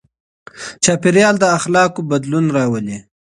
چاپېريال د اخلاقو بدلون راولي.